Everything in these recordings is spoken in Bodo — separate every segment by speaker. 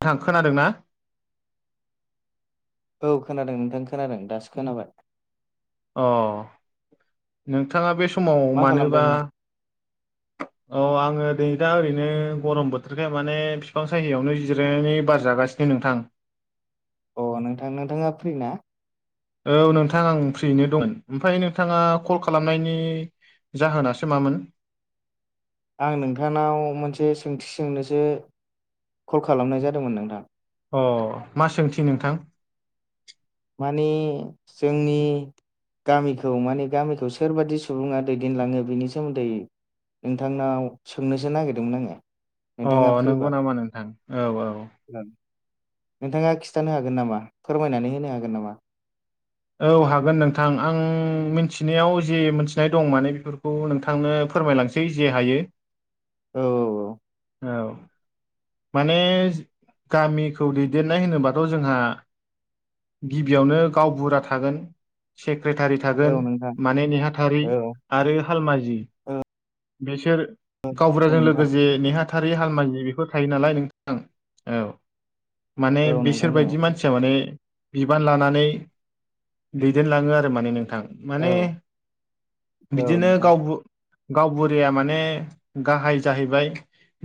Speaker 1: नोंथां खोनादों ना?
Speaker 2: औ खोनादों नोंथां खोनादों दासो खोनाबाय।
Speaker 1: अ नोंथाङा बे समाव
Speaker 2: मा खालामदों
Speaker 1: मानोबा
Speaker 2: नोंथां?
Speaker 1: औ आङो दिनै दा ओरैनो गरम बोथोरखाय माने फिफां साहियावनो जिरायनानै बार जागासिनो नोंथां।
Speaker 2: अ नोंथां नोंथाङा फ्रि ना?
Speaker 1: औ नोंथां आं फ्रियैनो दं ओमफ्राय नोंथाङा कल खालामनायनि जाहोनासो मामोन?
Speaker 2: आं नोंथांनाव मोनसे सोंथि सोंनोसो कल खालामनाय जादोंमोन नोंथां?
Speaker 1: अ मा सोंथि नोंथां
Speaker 2: माने जोंनि गामिखौ माने गामिखौ सोरबादि सुबुङा दैदेनलाङो बेनि सोमोन्दै नोंथांनाव सोंनोसो नागिरदोंमोन आङो।
Speaker 1: अ
Speaker 2: नोंथाङा
Speaker 1: नंगौ
Speaker 2: फ्रिबा
Speaker 1: नामा नोंथां औ औ।
Speaker 2: [inaudible] नोंथाङा खिथानो हागोन नामा फोरमायनानै होनो हागोन नामा?
Speaker 1: औ हागोन नोंथां आं मिन्थिनायाव जे मिथिनाय दं माने बेफोरखौ नोंथांनो फोरमायलां सै जे हायो
Speaker 2: औ औ
Speaker 1: औ माने गामिखौ दैदेननाय होनोबाथ' जोंहा गिबियावनो गावबुरा थागोन, सेक्रेटारि
Speaker 2: औ
Speaker 1: थागोन
Speaker 2: औ नोंथां
Speaker 1: माने नेहाथारि
Speaker 2: औ औ
Speaker 1: आरो हालमाजि
Speaker 2: औ
Speaker 1: बेसोर गावबुराजों
Speaker 2: नोंथां
Speaker 1: लोगोसे नेहाथारि हालमाजि बेफोर थायो नालाय नोंथां औ मान
Speaker 2: औ
Speaker 1: बिसोर
Speaker 2: नोंथां औ
Speaker 1: बायदि मान आया माने बिबान लानानै दैदेनलाङो आरो माने नोंथां
Speaker 2: औ
Speaker 1: माने
Speaker 2: औ
Speaker 1: बिदिनो
Speaker 2: नोंथां
Speaker 1: गाव गावबुरिया माने गाहाय जाहैबाय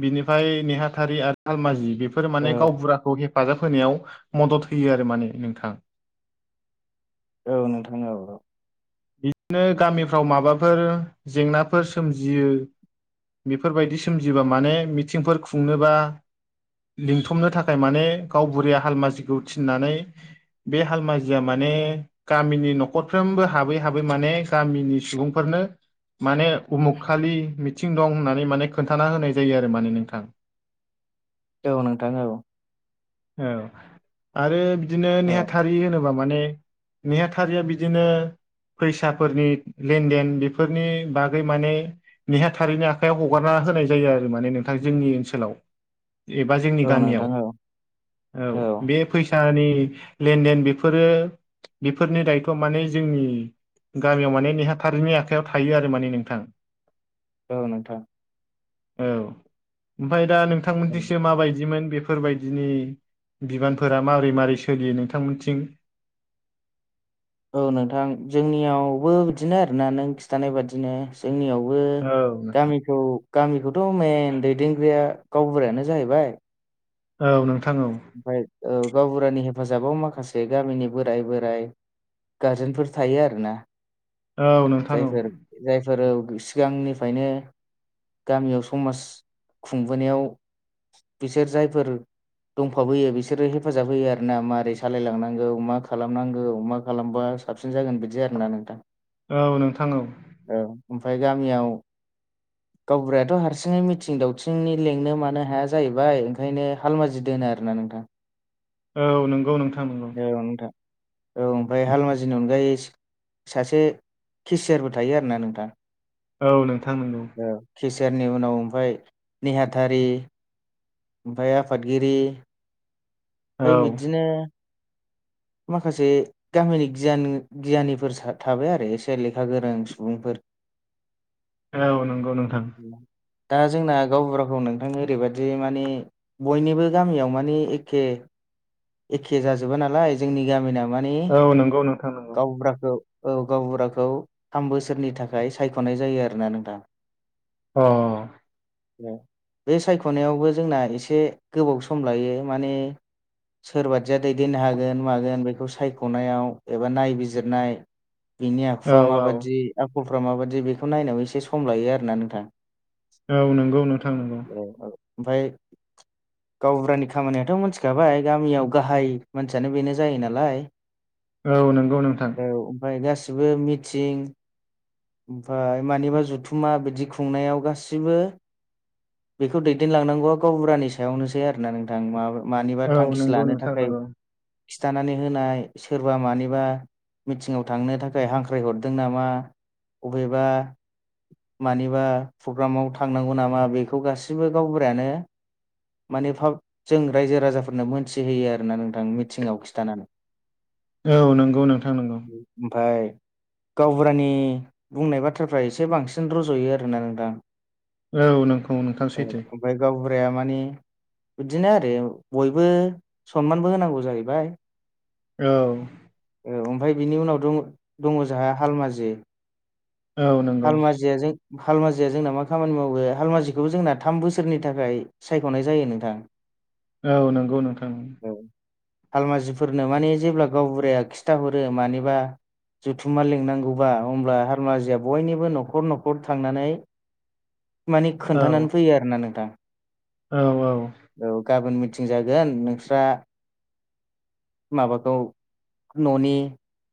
Speaker 1: बिनिफ्राय नेहाथारि आरो आलमाजि बे बे फोर माने
Speaker 2: औ
Speaker 1: गावबुराखौ हेफाजाब होनायाव मदद होयो आरो माने नोंथां।
Speaker 2: औ नोंथां औ।
Speaker 1: बिदिनो गामिफ्राव माबाफोर जेंनाफोर सोमजियो बेफोरबायदि सोमजिबा माने मिथिंफोर खुंनोबा लिंथुमनो थाखाय माने गावबुरिया हालमाजिखौ थिननानै बे हालमाजिया माने गामिनि न'खरफ्रोमबो हाबै हाबै माने गामिनि सुबुंफोरनो माने उमुख खालि मिथिं दं होननानै माने खोन्थाना होनाय जायो आरो माने नोंथां।
Speaker 2: औ नोंथां औ।
Speaker 1: औ आरो बिदिनो
Speaker 2: औ
Speaker 1: नेहाथारि होनोबा माने नेहाथारिया बिदिनो फैसाफोरनि लेनदेन बेफोरनि बागै माने नेहाथारैनि आखाइायाव हगारना होनाय जायो आरो माने नोंथां जोंनि ओनसोलाव एबा
Speaker 2: औ
Speaker 1: जोंनि
Speaker 2: नोंथां
Speaker 1: गामियाव
Speaker 2: औ
Speaker 1: औ बे फैसानि लेनदेन बेफोरो बेफोरनि दायथ' माने जोंनि गामियाव माने नेहाथारिनि आखाइायाव थायो आरो माने नोंथां।
Speaker 2: औ नथां
Speaker 1: औ ओमफाय दा
Speaker 2: औ
Speaker 1: नोंथांमोनजोंसो माबायदिमोन बेफोरबायदि। बिदिनि बिबानफोरा मारै मारै सोलियो नोंथांमोनथिं
Speaker 2: औ नोंथां जोंनियावबो बिदिनो आरोना नों खिन्थानाय बादिनो जोंनियावबो
Speaker 1: औ
Speaker 2: गामि खौ गामिखौथ' मन दैदेनगिरिया गावबुरायानो जाहैबाय।
Speaker 1: औ नोंथां औ।
Speaker 2: ओमफाय औ गावबुरानि हेफाजाबाव माखासे गामिनि बोराय बोराय गारजेनफोर थायो आरो ना
Speaker 1: औ नोंथां औ
Speaker 2: जायफोर जायफोर सिगांनिफायनो गामियाव समाज खुंबोनायाव बिसोर जायफोर दंफाबोयो बिसोरो हेफाजाब होयो आरोना मारै सालायलांनांगौ मा खालामनांगौ मा खालामबा साबसिन जागोन बिदि आरोना नोंथां
Speaker 1: औ नोंथां औ
Speaker 2: औ ओमफ्राय गामियाव गावबुरायाथ' हारसिङै मिथिं दावथिंनि लेंनो मानो हाया जाहैबाय ओंखायनो हालमाजि दोनो आरो ना नोंथां
Speaker 1: औ नंगौ नोंथां नंगौ
Speaker 2: औ नोंथां औ ओमफ्राय हाल माजिनि अनगायै सासे केसियारबो थायो आरोना नोंथां।
Speaker 1: औ नोंथां नोंगौ
Speaker 2: केसियारनि उनाव ओमफाय नेहाथारि ओमफाय आफादगिरि
Speaker 1: औ
Speaker 2: ओमफाय बिदिनो माखासे गामिनि गियान गियानिफोर सा थाबाय आरो एसे लेखा गोरों सुबुंफोर
Speaker 1: औ नंगौ नोंथां
Speaker 2: दा जोंना गावबुराखौ नोंथां ओरैबायदि माने बयनिबो गामियाव मानिे एखे एखे जाजोबा नालाय जोंनि गामिना मानिे
Speaker 1: औ नंगौ नोंथां नंगौ
Speaker 2: गावबुराखौ औ गावबुराखौ थाम बोसोरनि थाखाय सायख'नाय जायो आरो ना नोंथां।
Speaker 1: अ।
Speaker 2: बे सायख'नायावबो जोंना एसे गोबाव सम लायो माने सोरबादिया दैदेननो हागोन मागोन बेखौ सायख'नायाव एबा नायबिजिरनाय बिनि
Speaker 1: औ
Speaker 2: आखुवा माबादि आखलफ्रा माबादि बेखौ नायाव एसे सम लायो आरोना नोंथां।
Speaker 1: औ नंगौ नोंथां नंगौ।
Speaker 2: ओमफाय गावबुरानि खामानियाथ' मोनथिखाबाय गामियाव गाहाय मानसियानो बेनो जायो नालाय
Speaker 1: औ नंगौ नोंथां।
Speaker 2: औ ओमफ्राय गासिबो मिथिं ओमफ्राय मानिबा जुथुमा बिदि खुंनायाव गासिबो बेखौ दैदेनलांनांगौआ गावबुरानि सायावनोसै आरो ना नोंथां माबा मानि
Speaker 1: औ
Speaker 2: थांखि
Speaker 1: नंगौ
Speaker 2: लानो
Speaker 1: नोंथां
Speaker 2: थाखाय
Speaker 1: नंगौ
Speaker 2: खिथानानै होनाय सोरबा मानिबा मिथिङाव थांनो थाखाय हांख्राय हरदों नामा अबेबा मानिबा प्रग्रामाव थांनांगौ नामा बेखौ गासिबो गावबुरायानो माने भाव जों रायजो राजा मोनथिहोयो आरोना नोंथां मिथिंआव खिथानानै
Speaker 1: औ नंगौ नोंथां नंगौ।
Speaker 2: ओमफाय गावबुरानि बुंनाय बाथ्राफ्रा एसे बांसिन रज'यो आरोना नोंथां
Speaker 1: औ नोंगौ नोंथां सैथो।
Speaker 2: ओमफ्राय गावबुराया मानिे बिदिनो आरो बयबो सनमानबो होनांगौ जाहैबाय
Speaker 1: औ।
Speaker 2: औ ओमफ्राय बिनि उनाव दं दङ जोंहा हालमाजि
Speaker 1: औ नंगौ
Speaker 2: हालमाजिया जों हालमाजिया जोंना मा खामानि मावो हालमाजिखौबो जोंना थाम बोसोरनि थाखाय सायख'नाय जायो नोंथां।
Speaker 1: औ नंगौ नोंथां।
Speaker 2: औ हालमाजिफोरनो माने जेब्ला गावबुराया खिथाहरो मानिबा जुथुमा लिंनांगौबा अब्ला हालमाजिया बयनिबो न'खर न'खर थांनानै माने
Speaker 1: औ
Speaker 2: खोन्थानानै फैयो आरो ना नोंथां।
Speaker 1: औ औ
Speaker 2: औ गाबोन मिथिं जागोन नोंस्रा माबाखौ न'नि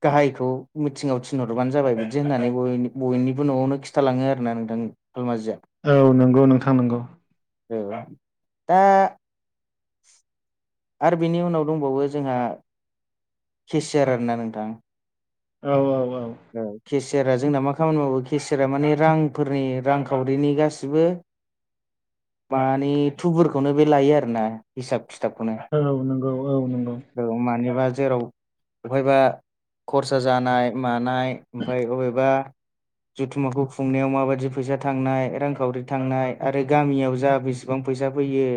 Speaker 2: गाहायखौ मिथिङाव थिनहरबानो जाबाय बिदि होननानै बय बयनिबो न'आवनो खिन्थालाङो आर ना नोंथां हालमाजिया।
Speaker 1: औ नंगौ नोंथां नंगौ।
Speaker 2: औ दा आरो बिनि उनाव दंबावो जोंहा केसियार आर ना नोंथां?
Speaker 1: औ औ औ।
Speaker 2: केसियारा जोंना मा खामानि मावो केसियारा माने रांफोरनि रांखावरिनि गासिबो मानिे थुबुरखौनो बे लायो आरो ना हिसाब खिथाबखौनो
Speaker 1: औ नंगौ औ नंगौ।
Speaker 2: औ मानिबा जेराव बहायबा खरसा जानाय मानाय ओमफ्राय बबेबा जुथुम्माखौ खुंनायाव माबायदि फैसा थांनाय रांखावरि थांनाय आरो गामियाव जा बे बिसिबां फैसा फैयो?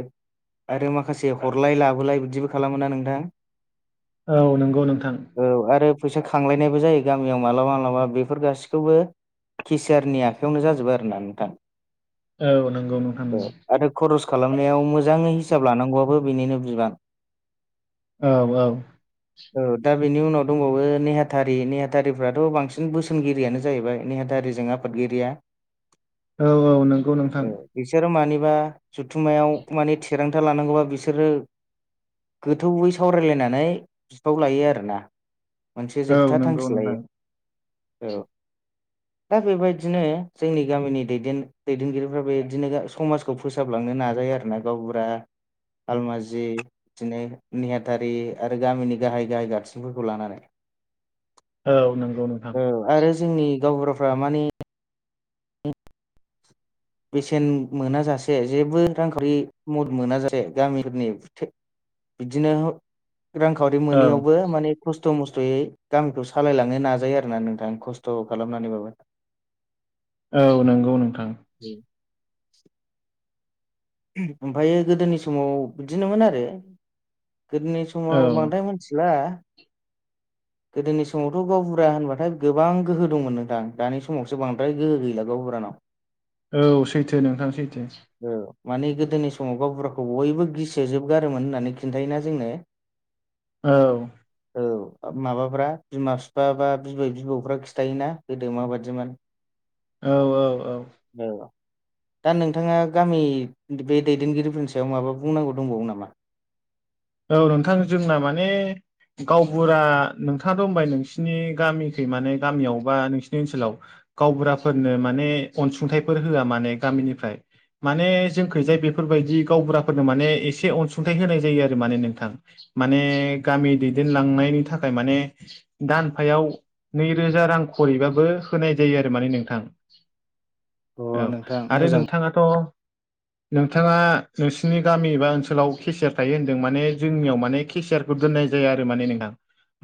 Speaker 2: आरो माखासे हरलाय लाबोलाय बिदिबो खालामो ना नोंथां?
Speaker 1: औ नंगौ नोंथां।
Speaker 2: औ आरो फैसा खांलायनायबो जायो गामियाव मालाबा-मालाबा बेफोर गासि थेवबो किसियारनि आखायावनो जाजोबो आरो ना नोंथां?
Speaker 1: औ नंगौ नोंथां।
Speaker 2: औ आरो खरस खालामनायाव मोजाङै हिसाब लानांगौआबो बेनिनो बिबान
Speaker 1: औ औ
Speaker 2: औ दा बेनि उनाव दंबावो नेहाथारि नेहाथारिफ्राथ' बांसिन बोसोनगिरियानो जाहैबाय नेहाथारिजों आफादगिरिया
Speaker 1: औ औ नंगौ नोंथां।
Speaker 2: औ बिसोरो मानिबा जुथुम्मायाव माने थिरांथा लानांगौबा बिसोरो गोथौयै सावरायलायनानै बिफाव लायो आरो ना मोनसे
Speaker 1: औ
Speaker 2: जोबथा
Speaker 1: नंगौ
Speaker 2: थांखि
Speaker 1: नोंथां
Speaker 2: लायो औ दा बेबायदिनो जोंनि गामिनि दैदेन दैदेनगिरिफ्रा बेबायदिनो समाज खौ फोसाबलांनो नाजायो आरो ना गावबुरा हालमाजि बिदिनो नेहाथारि आरो गामिनि गाहाय गाहाय गारथिंफोरखौ लानानै
Speaker 1: औ नंगौ नोंथां।
Speaker 2: औ आरो जोंनि गावबुराफ्रा माने बेसेन मोना जाासे जेबो रांखावरि मदद मोना जासे गामिफोरनि बिदिनो रांखावरि
Speaker 1: औ
Speaker 2: मोनोैयावबो माने खस्थ' मस्थ'यै गामिखौ सालायलांनो नाजायो आरोना नोंथां खस्थ' खालामनानैबाबो
Speaker 1: औ नंगौ नोंथां।
Speaker 2: [inaudible] ओमफायो गोदोनि समाव बिदिनोमोन आरो गोदोनि सम
Speaker 1: औ
Speaker 2: समाव बांद्राय मिथिला
Speaker 1: [inaudible]
Speaker 2: गोदोनि समावथ' गावबुरा होनबाथाय गोबां गोहो दंमोन नोंथां दानि समावसो बांद्राय गोहो गैला गावबुरानाव
Speaker 1: औ सैथो नोंथां सैथो।
Speaker 2: औ माने गोदोनि समाव गावबुराखौ बयबो गिसोजोबगारोमोन होननानै खिन्थायोना जोंनो
Speaker 1: औ
Speaker 2: औ माबाफ्रा बिमा-बिफा बा बिबै-बिबौफ्रा खिथायोना गोदो माबायदिमोन?
Speaker 1: औ औ औ
Speaker 2: औ दा नोंथाङा गामि बे दैदेनगिरिफोरनि सायाव माबा बुंनांगौ दंबावो नामा
Speaker 1: औ नोंथां जोंना माने गावबुरा नोंथाङा दं होनबाय नोंसिनि गामिखै माने गामियाव बा नोंसिनि ओनसोलाव गावबुराफोरनो माने अनसुंथाइफोर होआ माने गामिनिफ्राय माने जोंखैजाय बेफोरबायदि गावबुराफोरनो माने एसे अनसुंथाइ होनाय जायो आरो माने नोंथां माने गामि दैदेनलांनायनि थाखाय माने दानफायाव नैरोजा रां खरैबाबो होनाय जायो आरो माने नोंथां
Speaker 2: अ
Speaker 1: औ
Speaker 2: नोंथां
Speaker 1: आरो
Speaker 2: मोजां
Speaker 1: नोंथाङाथ' नोंथाङा नोंसिनि गामि एबा ओनसोलाव केसियार थायो हो दों माने जोंनियाव माने केसियारखौ दोननाय जाया आरो माने नोंथां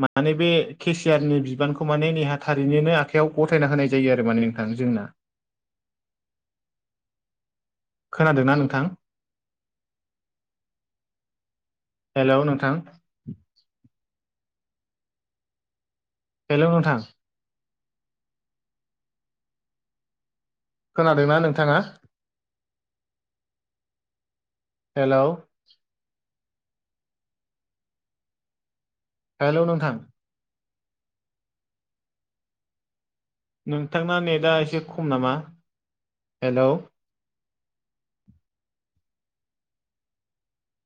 Speaker 1: माने बे केसियारनि बिबानखौ माने नेहाथारिनोनो आखाइायाव गथायना होनाय जायो आरो माने नोंथां जोंना खोनादोंना नोंथां? हेलौ नोंथां। हेलौ नोंथां खोनादोंना नोंथाङा हेलौ हेलौ नोंथां नोंथांना नेटआ एसे खम नामा हेलौ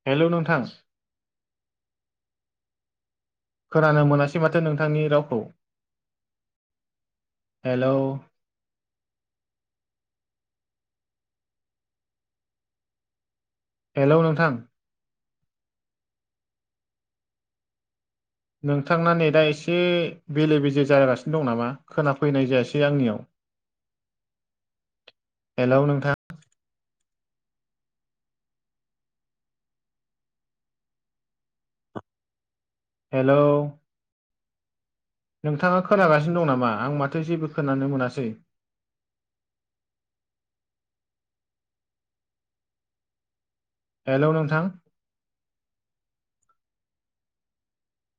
Speaker 1: हेलौ नोंथां खोनानो मोनासै माथो नोंथांनि रावखौ हेलौ हेलौ नोंथां नोंथांना नेदा एसे बेले बेजे जालागासिनो दं नामा खोनाफैनाय जायासै आंनियाव हेलौ नोंथां हेलौ नोंथाङा खोनागासिनो दं नामा आं माथो जेबो खोनानो मोनासै हेलौ नोंथां